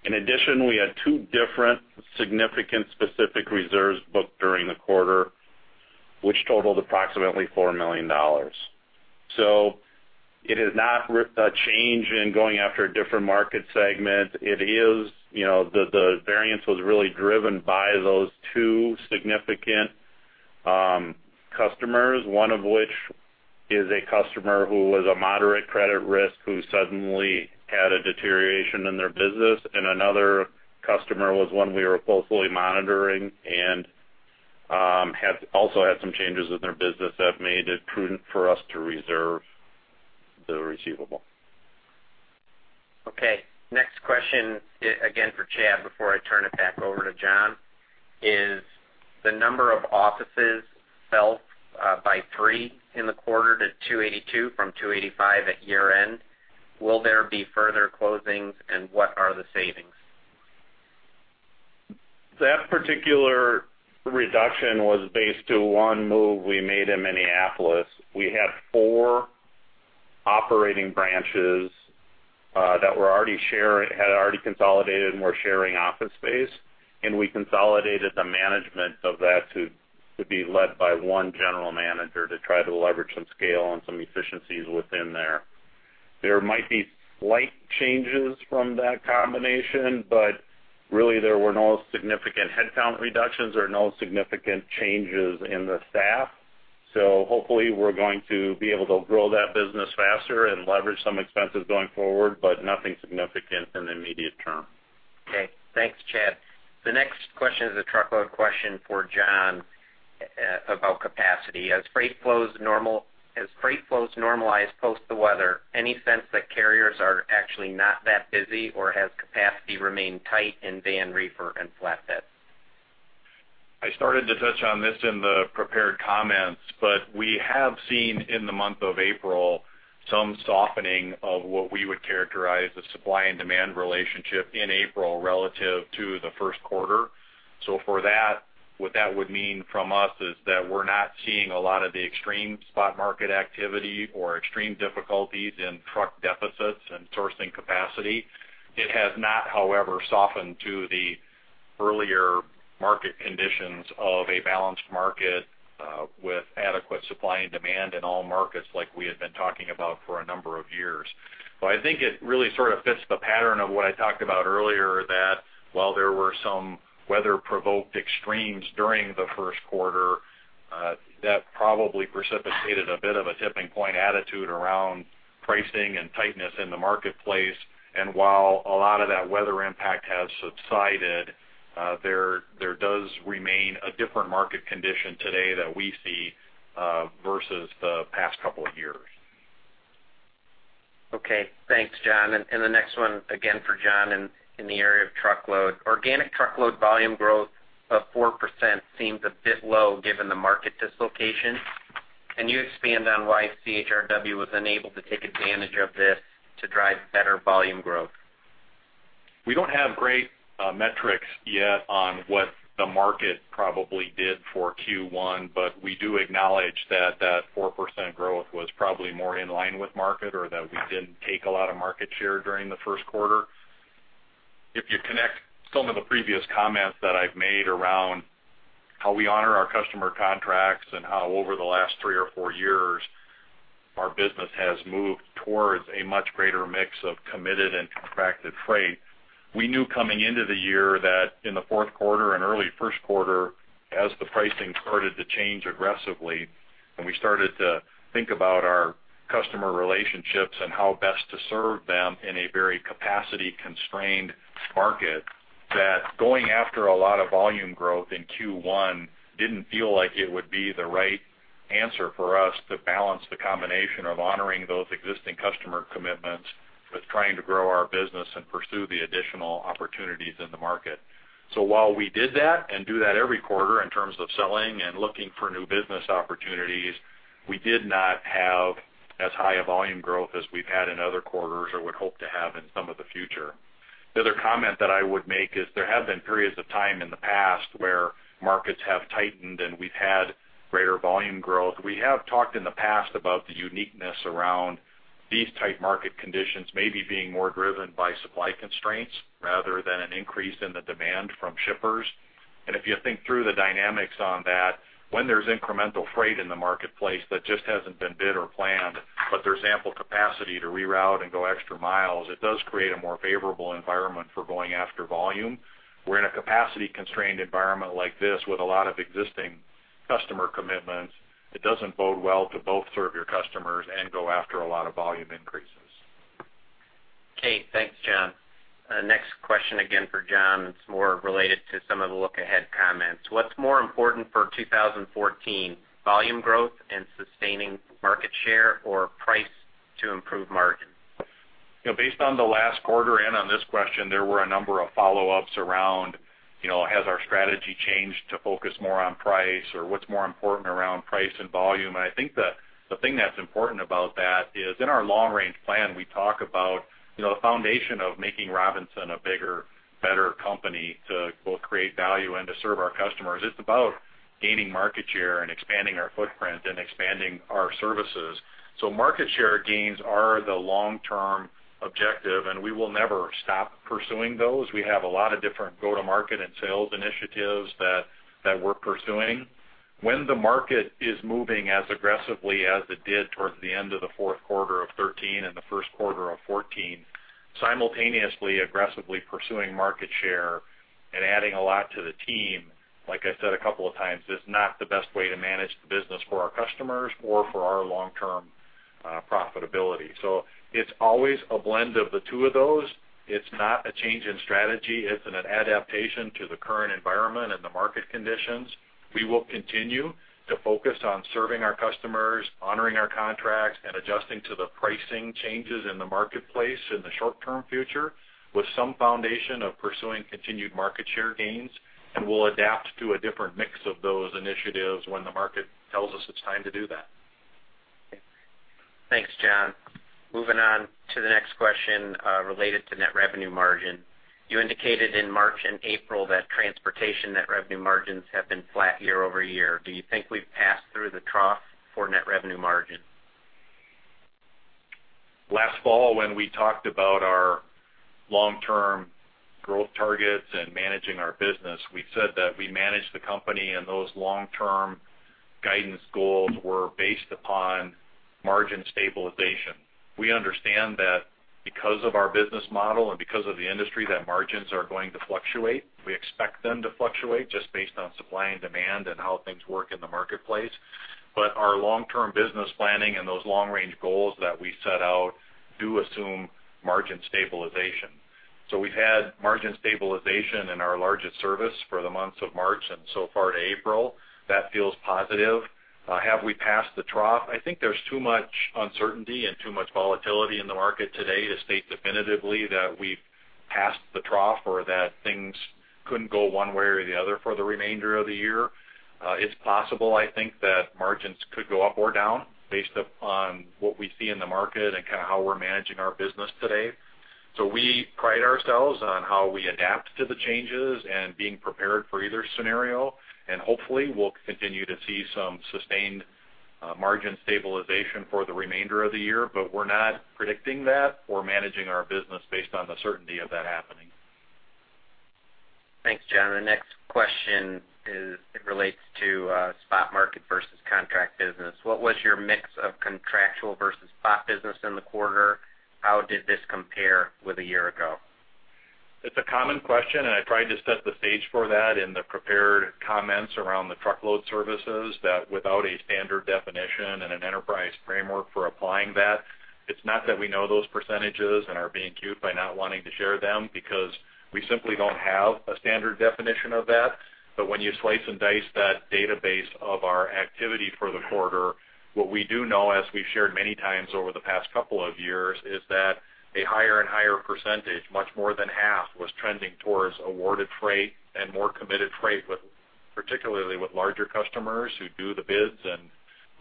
In addition, we had two different significant specific reserves booked during the quarter, which totaled approximately $4 million. It is not a change in going after a different market segment. The variance was really driven by those two significant customers, one of which is a customer who was a moderate credit risk who suddenly had a deterioration in their business, and another customer was one we were closely monitoring and also had some changes in their business that made it prudent for us to reserve the receivable. Okay. Next question, again for Chad before I turn it back over to John. Is the number of offices fell by three in the quarter to 282 from 285 at year-end. Will there be further closings, and what are the savings? That particular reduction was based to one move we made in Minneapolis. We had four operating branches that had already consolidated and were sharing office space, and we consolidated the management of that to be led by one general manager to try to leverage some scale and some efficiencies within there. There might be slight changes from that combination, but really there were no significant headcount reductions or no significant changes in the staff. Hopefully, we're going to be able to grow that business faster and leverage some expenses going forward, but nothing significant in the immediate term. Okay. Thanks, Chad. The next question is a truckload question for John about capacity. As freight flows normalize post the weather, any sense that carriers are actually not that busy or has capacity remained tight in van, reefer, and flatbed? I started to touch on this in the prepared comments, we have seen in the month of April some softening of what we would characterize the supply and demand relationship in April relative to the first quarter. For that, what that would mean from us is that we're not seeing a lot of the extreme spot market activity or extreme difficulties in truck deficits and sourcing capacity. It has not, however, softened to the earlier market conditions of a balanced market with adequate supply and demand in all markets like we had been talking about for a number of years. I think it really sort of fits the pattern of what I talked about earlier, that while there were some weather provoked extremes during the first quarter, that probably precipitated a bit of a tipping point attitude around pricing and tightness in the marketplace. While a lot of that weather impact has subsided, there does remain a different market condition today that we see versus the past couple of years. Okay. Thanks, John, the next one again for John in the area of truckload. Organic truckload volume growth of 4% seems a bit low given the market dislocation. Can you expand on why CHRW was unable to take advantage of this to drive better volume growth? We don't have great metrics yet on what the market probably did for Q1, we do acknowledge that 4% growth was probably more in line with market or that we didn't take a lot of market share during the first quarter. If you connect some of the previous comments that I've made around how we honor our customer contracts and how over the last three or four years our business has moved towards a much greater mix of committed and contracted freight, we knew coming into the year that in the fourth quarter and early first quarter, as the pricing started to change aggressively and we started to think about our customer relationships and how best to serve them in a very capacity-constrained market, that going after a lot of volume growth in Q1 didn't feel like it would be the right answer for us to balance the combination of honoring those existing customer commitments with trying to grow our business and pursue the additional opportunities in the market. While we did that and do that every quarter in terms of selling and looking for new business opportunities, we did not have as high a volume growth as we've had in other quarters or would hope to have in some of the future. The other comment that I would make is there have been periods of time in the past where markets have tightened and we've had greater volume growth. We have talked in the past about the uniqueness around these tight market conditions maybe being more driven by supply constraints rather than an increase in the demand from shippers. If you think through the dynamics on that, when there's incremental freight in the marketplace that just hasn't been bid or planned, there's ample capacity to reroute and go extra miles, it does create a more favorable environment for going after volume. We're in a capacity-constrained environment like this with a lot of existing customer commitments. It doesn't bode well to both serve your customers and go after a lot of volume increases. Okay, thanks, John. Next question again for John. It's more related to some of the look-ahead comments. What's more important for 2014, volume growth and sustaining market share or price to improve margin? Based on the last quarter and on this question, there were a number of follow-ups around, has our strategy changed to focus more on price or what's more important around price and volume? I think the thing that's important about that is in our long-range plan, we talk about the foundation of making Robinson a bigger, better company to both create value and to serve our customers. It's about gaining market share and expanding our footprint and expanding our services. Market share gains are the long-term objective, and we will never stop pursuing those. We have a lot of different go-to-market and sales initiatives that we're pursuing. When the market is moving as aggressively as it did towards the end of the fourth quarter of 2013 and Q1 2014, simultaneously, aggressively pursuing market share and adding a lot to the team, like I said a couple of times, is not the best way to manage the business for our customers or for our long-term profitability. It's always a blend of the two of those. It's not a change in strategy. It's an adaptation to the current environment and the market conditions. We will continue to focus on serving our customers, honoring our contracts, and adjusting to the pricing changes in the marketplace in the short-term future with some foundation of pursuing continued market share gains, and we'll adapt to a different mix of those initiatives when the market tells us it's time to do that. Thanks, John. Moving on to the next question related to net revenue margin. You indicated in March and April that transportation net revenue margins have been flat year-over-year. Do you think we've passed through the trough for net revenue margin? Last fall when we talked about our long-term growth targets and managing our business, we said that we manage the company and those long-term guidance goals were based upon margin stabilization. We understand that because of our business model and because of the industry, that margins are going to fluctuate. We expect them to fluctuate just based on supply and demand and how things work in the marketplace. Our long-term business planning and those long-range goals that we set out do assume margin stabilization. We've had margin stabilization in our largest service for the months of March and so far to April. That feels positive. Have we passed the trough? I think there's too much uncertainty and too much volatility in the market today to state definitively that we've passed the trough or that things couldn't go one way or the other for the remainder of the year. It's possible, I think, that margins could go up or down based upon what we see in the market and how we're managing our business today. We pride ourselves on how we adapt to the changes and being prepared for either scenario. Hopefully we'll continue to see some sustained margin stabilization for the remainder of the year. We're not predicting that or managing our business based on the certainty of that happening. Thanks, John. The next question relates to spot market versus contract business. What was your mix of contractual versus spot business in the quarter? How did this compare with a year ago? It's a common question. I tried to set the stage for that in the prepared comments around the truckload services. That without a standard definition and an enterprise framework for applying that, it's not that we know those percentages and are being cute by not wanting to share them, because we simply don't have a standard definition of that. When you slice and dice that database of our activity for the quarter, what we do know, as we've shared many times over the past couple of years, is that a higher and higher percentage, much more than half, was trending towards awarded freight and more committed freight, particularly with larger customers who do the bids and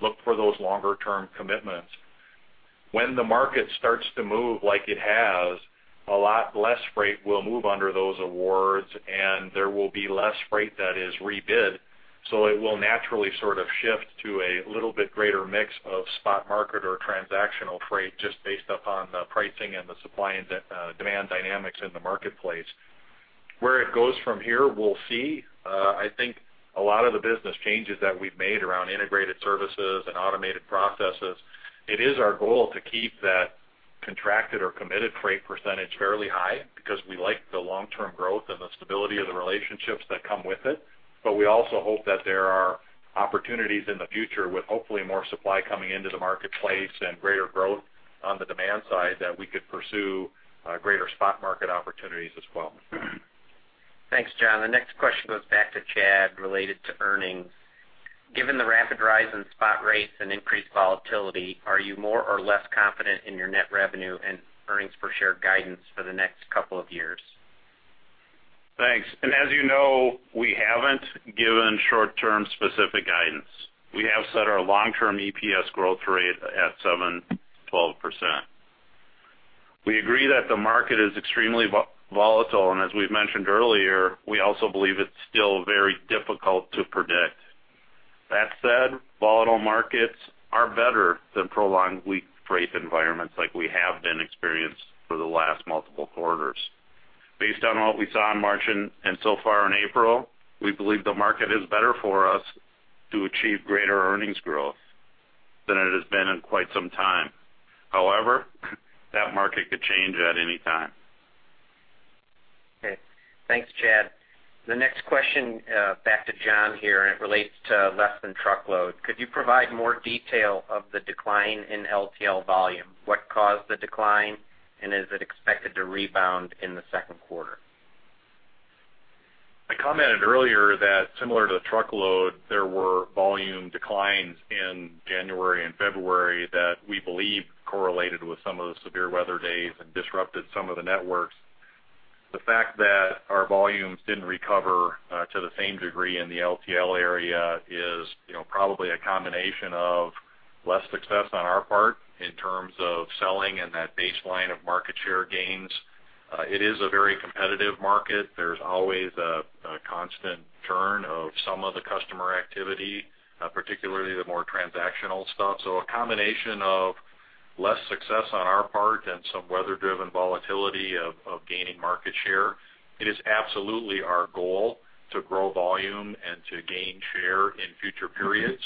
look for those longer-term commitments. When the market starts to move like it has, a lot less freight will move under those awards, and there will be less freight that is rebid. It will naturally sort of shift to a little bit greater mix of spot market or transactional freight just based upon the pricing and the supply and demand dynamics in the marketplace. Where it goes from here, we'll see. I think a lot of the business changes that we've made around integrated services and automated processes, it is our goal to keep that contracted or committed freight percentage fairly high because we like the long-term growth and the stability of the relationships that come with it. We also hope that there are opportunities in the future with hopefully more supply coming into the marketplace and greater growth on the demand side that we could pursue greater spot market opportunities as well. Thanks, John. The next question goes back to Chad, related to earnings. Given the rapid rise in spot rates and increased volatility, are you more or less confident in your net revenue and earnings per share guidance for the next couple of years? Thanks. As you know, we haven't given short-term specific guidance. We have set our long-term EPS growth rate at 7%-12%. We agree that the market is extremely volatile, and as we've mentioned earlier, we also believe it's still very difficult to predict. That said, volatile markets are better than prolonged weak freight environments like we have been experienced for the last multiple quarters. Based on what we saw in March and so far in April, we believe the market is better for us to achieve greater earnings growth than it has been in quite some time. That market could change at any time. Okay. Thanks, Chad. The next question, back to John here, and it relates to less than truckload. Could you provide more detail of the decline in LTL volume? What caused the decline, and is it expected to rebound in the second quarter? I commented earlier that similar to the truckload, there were volume declines in January and February that we believe correlated with some of the severe weather days and disrupted some of the networks. The fact that our volumes didn't recover to the same degree in the LTL area is probably a combination of less success on our part in terms of selling and that baseline of market share gains. It is a very competitive market. There's always a constant churn of some of the customer activity, particularly the more transactional stuff. A combination of less success on our part and some weather-driven volatility of gaining market share. It is absolutely our goal to grow volume and to gain share in future periods.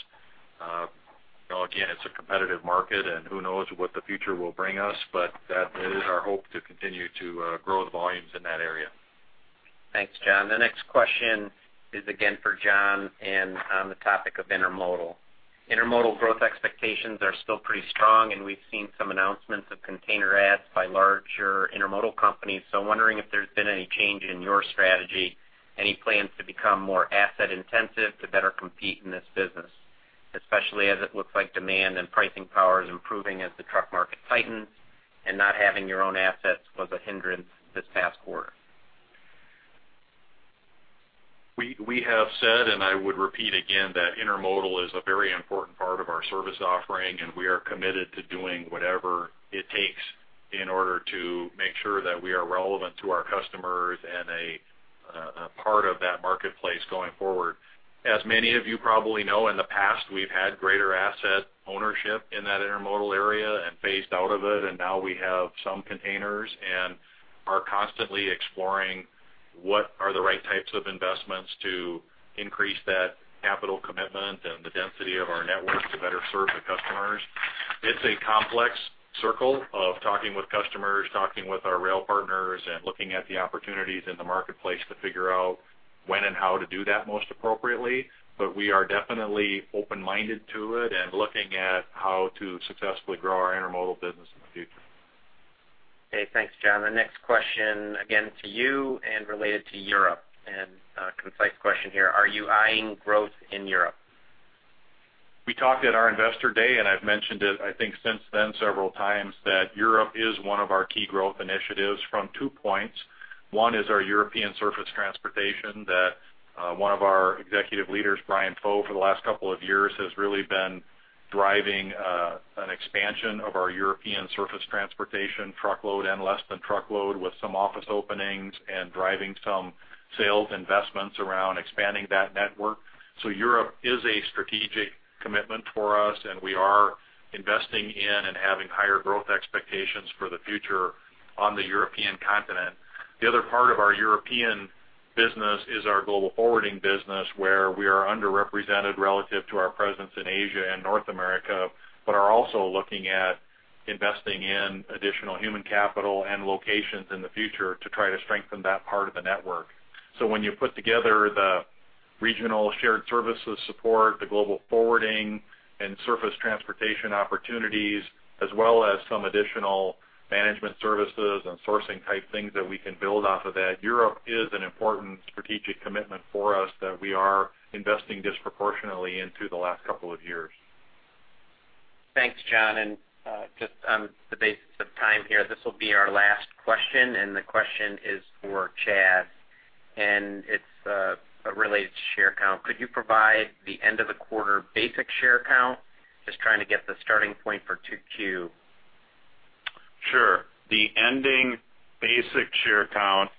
Again, it's a competitive market, who knows what the future will bring us, but that is our hope to continue to grow the volumes in that area. Thanks, John. The next question is again for John, on the topic of intermodal. Intermodal growth expectations are still pretty strong, and we've seen some announcements of container adds by larger intermodal companies. I'm wondering if there's been any change in your strategy, any plans to become more asset intensive to better compete in this business, especially as it looks like demand and pricing power is improving as the truck market tightens, and not having your own assets was a hindrance this past quarter? We have said, I would repeat again, that intermodal is a very important part of our service offering, we are committed to doing whatever it takes in order to make sure that we are relevant to our customers and a part of that marketplace going forward. As many of you probably know, in the past, we've had greater asset ownership in that intermodal area phased out of it. Now we have some containers and are constantly exploring what are the right types of investments to increase that capital commitment and the density of our network to better serve the customers. It's a complex circle of talking with customers, talking with our rail partners, looking at the opportunities in the marketplace to figure out when and how to do that most appropriately. We are definitely open-minded to it and looking at how to successfully grow our intermodal business in the future. Okay. Thanks, John. The next question, again to you and related to Europe. A concise question here, are you eyeing growth in Europe? We talked at our investor day, and I've mentioned it, I think, since then several times, that Europe is one of our key growth initiatives from two points. One is our European surface transportation that one of our executive leaders, Bryan Foe, for the last couple of years, has really been driving an expansion of our European surface transportation, truckload and less than truckload, with some office openings and driving some sales investments around expanding that network. Europe is a strategic commitment for us, and we are investing in and having higher growth expectations for the future on the European continent. The other part of our European business is our global forwarding business, where we are underrepresented relative to our presence in Asia and North America, but are also looking at investing in additional human capital and locations in the future to try to strengthen that part of the network. When you put together the regional shared services support, the global forwarding and surface transportation opportunities, as well as some additional managed services and sourcing type things that we can build off of that, Europe is an important strategic commitment for us that we are investing disproportionately into the last couple of years. Thanks, John. Just on the basis of time here, this will be our last question, and the question is for Chad, and it's related to share count. Could you provide the end of the quarter basic share count? Just trying to get the starting point for 2Q. Sure. The ending basic share count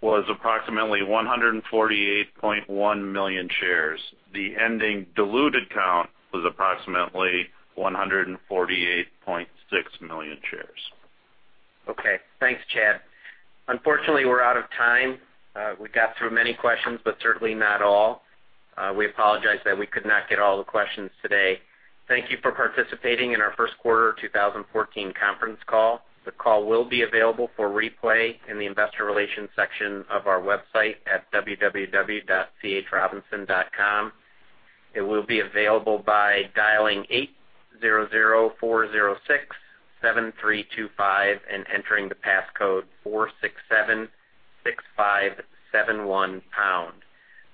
was approximately 148.1 million shares. The ending diluted count was approximately 148.6 million shares. Okay. Thanks, Chad. Unfortunately, we're out of time. We got through many questions, but certainly not all. We apologize that we could not get all the questions today. Thank you for participating in our first quarter 2014 conference call. The call will be available for replay in the investor relations section of our website at www.chrobinson.com. It will be available by dialing 8004067325 and entering the passcode 4676571 pound.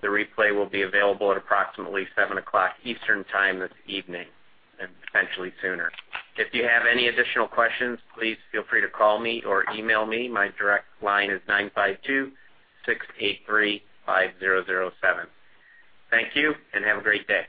The replay will be available at approximately 7:00 P.M. Eastern time this evening and potentially sooner. If you have any additional questions, please feel free to call me or email me. My direct line is 9526835007. Thank you, and have a great day.